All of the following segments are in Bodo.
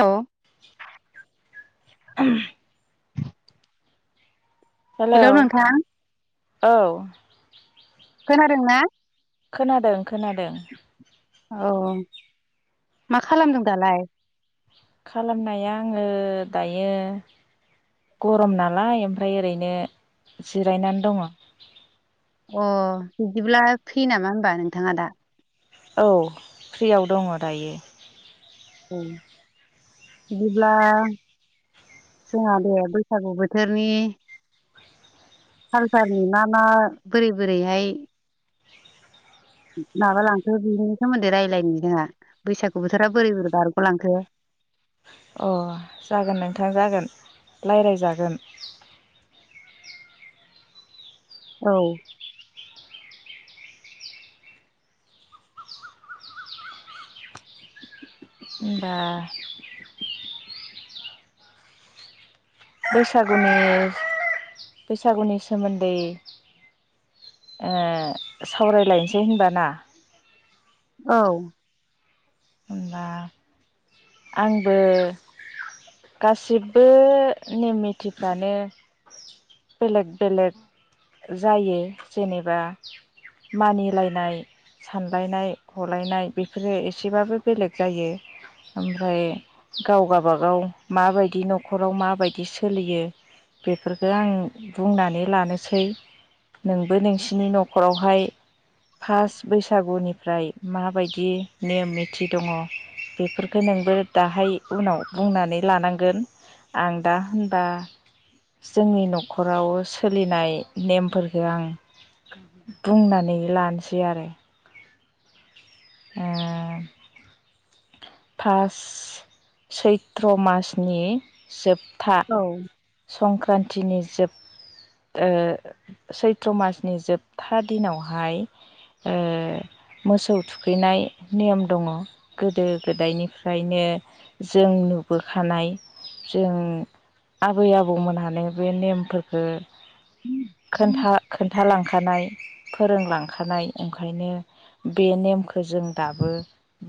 औ [inaudible] हेलौ हेल' नोंथां औ खोनादोंना? खोनादों खोनादों औ मा खालामदों दालाय? खालामनाया आङो दायो गरम नालाय ओमफ्राय ओरैनो जिरायनानै दङ। अ बिदिब्ला फ्रि नामा हबा नोंथाङा दा? औ फ्रियाव दङ दायो। औ बिदिब्ला जोंहा बेे बैसागु बोथोरनि कालसारनि मा मा बोरै बोरैहाय माबा लांखो बिनि सोमोन्दै रायज्लायनो जोंहा बैसागु बोथोरा बोरै बोरै बारग'लांखो [inaudible] अ जागोन नोंथां जागोन रायज्लायजागोन औ ओमबा बैसागुनि बैसागुनि सोमोन्दै सावरायलायनोसै होनबा ना औ होमबा आंबो गासिबो नेम निथिफ्रानो बेलेग बेलेग जायो जेनेबा मानिलायनाय सानलायनाय हलायनाय बेफोरो एसे एसेबाबो बेलेग जायो ओमफ्राय गाव गाबागाव माबायदि न'खराव माबायदि सोलियो बेफोरखो आं बुंनानै लानोसै नोंबो नोंसिनि न'खरावहाय फास बैसागुनिफ्राय माबायदि नियम निथि दङ बेफोरखो नोंबो दाहाय उनाव बुंनानै लानांगोन आं दा होनबा जोंनि न'खराव सोलिनाय नेमफोरखो आं बुंनानै लानोसै आरो ए पास सैथ्र' मासनि जोब था औ संक्रान्तिनि जोब सैथ्र मासनि जोबथा दिनावहाय मोसौ थुखैनाय नियम दङ गोदो गोदायनिफ्रायनो जों नुबोखानाय जों आबै आबौमोनहानो बे नेमफोरखौ खोनथा खोन्थालां खानाय फोरोंलांखानाय ओंखायनो बे नेमखौ जों दाबो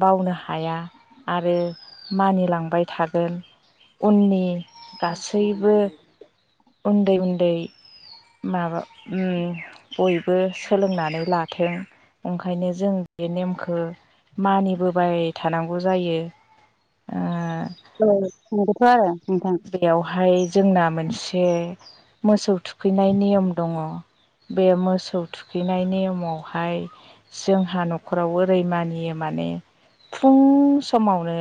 बावनो हाया । आरो मानिलांबाय थागोन । उननि गासैबो उन्दै उन्दै माबा उम बयबो सोलोंनानै लाथों ओंखायनो जों बे नेमखौ मानिबोबाय थानांगौ जायो । औ नंगौथ' आरो नोंथां बेयावहाय जोंना मोनसे मोसौ थुखैनाय नियम दङ । बे मोसौ थुखैनाय नियमावहाय जोंहा न'खराव ओरै मानियो मा माने फुं समावनो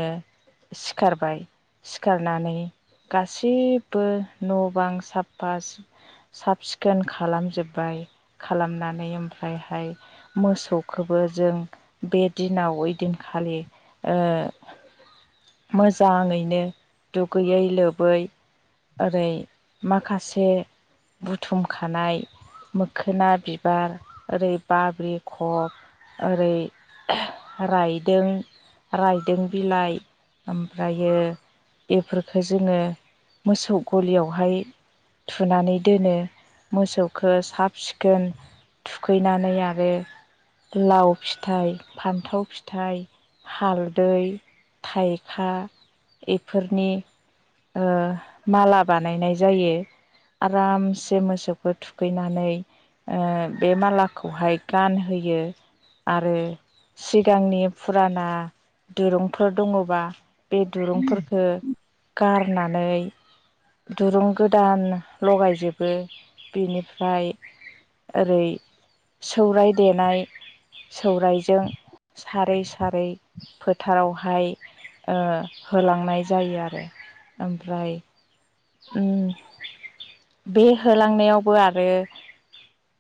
सिखारबाय सिखारनानै गासैबो न' बां साफा सु साब सिखोन खालामजोब्बाय खालामनानै ओमफ्रायहाय मोसौखौबो बो जों बे दिनाव ओइदिनखालि ओ मोजाङैनो दुगैयै लोबै ओरै माखासे बुथुमखानाय मोखोना बिबार ओरै बाब्रि खब ओरै रायदों रायदों बिलाइ ओमफ्रायो बेफोर खौ जोङो मोसौ गलियावहाय थुनानै दोनो । मोसौखौ साब सिखोन थुखैनानै आरो लाव फिथाइ फान्थाव फिथाइ हालदै थाइखा इफोरनि ओ माला बानायनाय जायो । आरामसे मोसौखौ थुखैनानै ओ बे मालाखौहाय गानहोयो । आरो सिगांनि फुराना दिरुंफोर दङबा बे दुरुंफोरखो गारनानै दुरुं गोदान लगायजोबो बेनिफ्राय ओरै सौराय देनाय सौरायजों सारै सारै फोथारावहाय ओ होलांनाय जायो आरो । ओमफ्राय ओम । बे होलांनायावबो आरो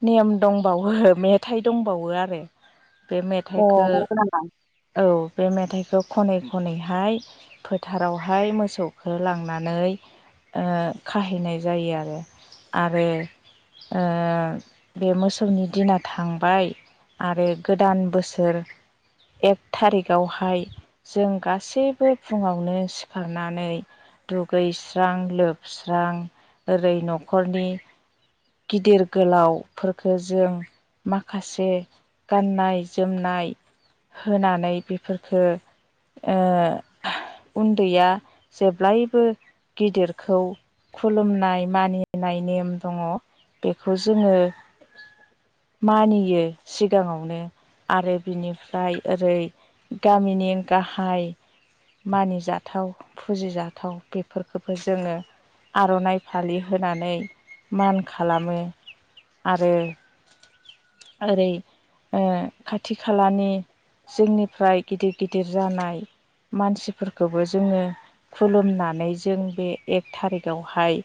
नियम दं बावो मेथाइ दंबावो आरो । बे अ मेथाइखो नंगौ नामा औ बे मेथाइखौ खनैखनै हाय फोथारावहाय मोसौखो लांनानै ओ खाहैनाय जायो आरो आरो ओ बे मोसौनि दिना थांबाय आरो गोदान बोसोर एक थारिगआवहाय जों गासैबो फुङावनो सिखारनानै दुगैस्रां लोबस्रां ओरै न'खरनि गिदिर गोलाव फोरखो जों माखासे गाननाय जोमनाय होनानै बेफोरफोरखो ओ उन्दैया जेब्लायबो गिदिर खौ खुलुमनाय मानिनाय नेम दङ । बेखौ जोङो मानियो सिगांआवनो आरो बिनिफ्राय ओरै गामिनि गाहाय मानिजाथाव फुजिजाथाव बेफोरखोबो जोङो आर'नाइ फालि होनानै मान खालामो आरो ओरै ओ खाथि खालानि जोंनिफ्राय गिदिर गिदिर जानाय मानसिफोरखोबो जोङो खुलुमनानै जों बे एक थारिखआवहाय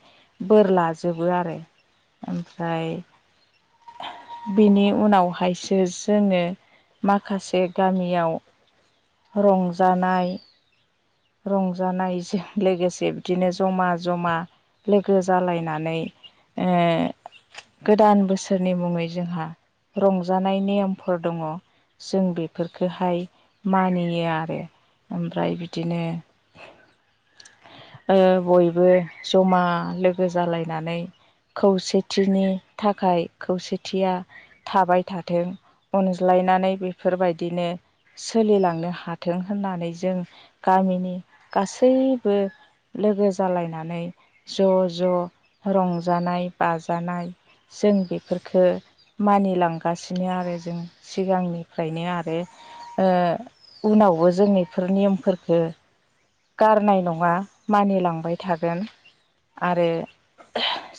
बोर लाजोबो आरो ओमफ्राय बेनि उनावहायसो जोङो माखासे गामियाव रंजानाय रंजानायजों लोगोसे बिदिनो जमा जमा लोगो जालायनानै ओ गोदान बोसोरनि मुङै जोंहा रंजानाय नियमफोर दङ जों बेफोरफोरखोहाय मानियो आरो ओमफ्राय बि बिदिनो ओ बयबो जमा लोगो जालायनानै खौसेथिनि थाखाय खौसेथिया थाबाय थाथों अनज्लायनानै बेफोरबायदिनो सोलिलांनो हाथों होननानै जों गामिनि गासैबो लोगो जालायनानै ज' ज' रंजानाय बाजानाय जों बेफोरफोरखो मानिलांगासिनो आरो जों सिगांनिफ्रायनो आरो ओ उनावबो जों इफोर नियमफोरखो गारनाय नङा मानिलांबाय थागोन आरो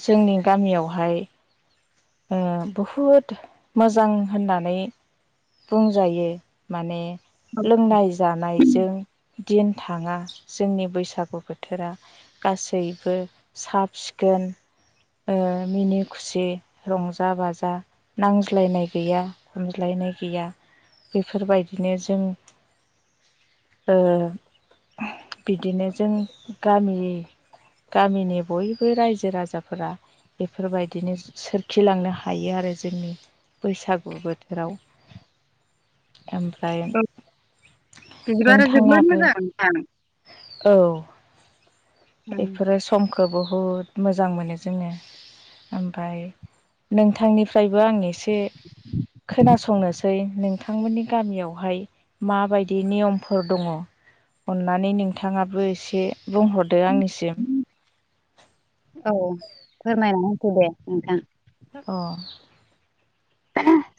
जोंनि गामियावहाय ओ बहुद मोजां होननानै बुंजायो माने लोंनाय जानायजों दिन थाङा जोंनि बैसागु बोथोरा गासैबो साब सिखोन ओ मिनि खुसि रंजा बाजा नांज्लायनाय गैया हमज्लायनाय गैया बेफोरबायदिनो जों ओ बिदिनो जों गामि गामिनि बयबो रायजो राजाफोरा बेफोरबायदिनो सोरखिलांनो हायो आरो जोंनि बैसागु बोथोराव ओमफ्राय औ बिदिबारा जोबोद नोंथाङाबो मोजां नोंथां औ बेफोरो समखौ बहुद मोजां मोनो जोङो ओमफफ्राय नोंथांनिफ्रायबो आं एसे खोनासंनोसै नोंथांमोननि गामियावहाय माबायदि नियमफोर दङ अननानै नोंथाङाबो एसे बुंहरदो आंनिसिम औ फोरमायनानै होदो दे नोंथां अ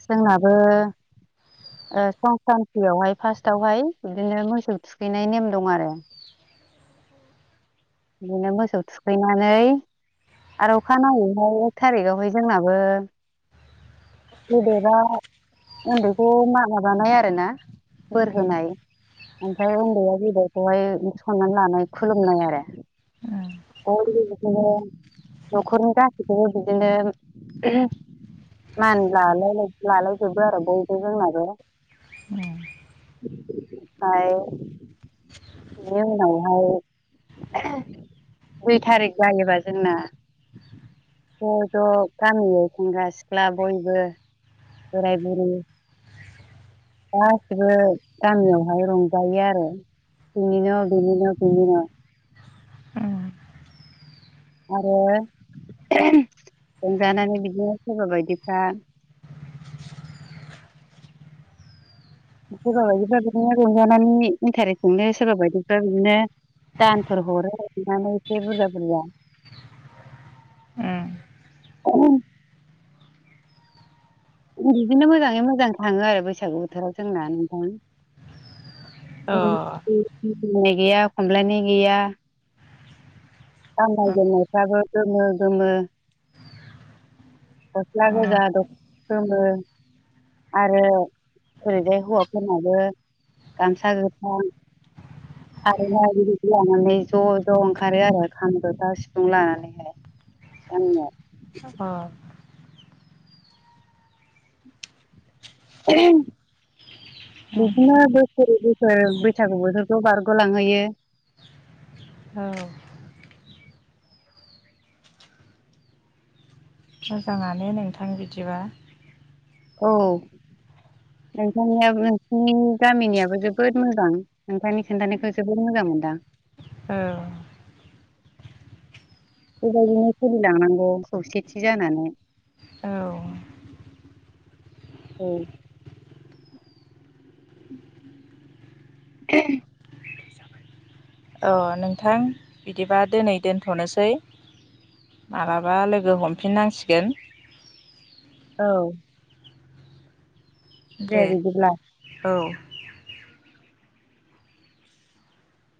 जोंनाबो ओ संक्रान्तियावहाय फार्स्टावहाय बिदिनो मोसौ थुखैनाय नेम दं आरो बिदिनो मोसौ थुखैनानै आरो अखा नाङैहाय एक थारिखावहाय जोंनाबो [unintelligible] उन्दैखौ मान [unintelligible] बानाय आरो ना बोर होनाय ओमफ्राय उन्दैया गेदेरखौहाय सनमान लानाय खुलुमनाय आरो [unintelligible] नखरनि गासैखौबो बिदिनो मान लालाय लालायजोबो आरो बयबो जोंनाबो ए। ओमफाय बेनि उनाव [unintelligible] दुइ थारिख जायोबा जोंना ज ज' गामियै सेंग्रा सिख्ला बयबो। बोराइ बुरि गासिबो गामियावहाय रंजायो आरो। बिनि न बिनि न बिनि न आरो रंजानानै बिदिनो सोरबा बायदिफ्रा सोरबा बायदिफ्रा बिदिनो रंजानायनि इन्टारेस्टजोंनो सोरबा बायदिफ्रा बिदिनो दानफोर हरो अननानै एसे बुरजा बुरजा उम ओम। बिदिनो मोजाङै मोजां थाङो आरो बैसागु बोथोराव जोंना नोंथां। अ। नाय गैया खमलायनाय गैया गाननाय उम जोमनायफ्राबो गोमो गोमो। गस्ला गोजा उम द'ख'ना गोमो। आरो ओरैजाय हौवाफोरनाबो गामसा गोथां [inaudible] खारैहाय बिबायदि लानानै ज' ज' ओंखारो आरो खाम जथा सिफुं लानानैहाय। गामियाव अ। ओम। बिदिनो बोसोर बोसोर बैसागु बोथोरखौ बारग'लांहोयो। [inaudible] औ मोजाङानो नोंथां बिदिबा औ। नोंथांनिया नोंसिनि गामिनियाबो जोबोद मोजां नोंथांनि खोनन्थानायखौ जोबोद मोजां मोनो। दा। ओ बेबायदिनो सोलिलांनांगौ खौसेथि जानानै। औ औ। उ अ नोंथां बिदिबा दिनै दोनथ'नोसै। माबलाबा लोगो हमफिननांसिगोन। औ। दे औ।